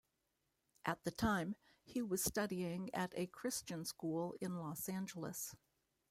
At the time, he was studying at a Christian school in Los Angeles.